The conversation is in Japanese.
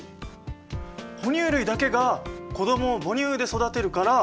哺乳類だけが子どもを母乳で育てるから。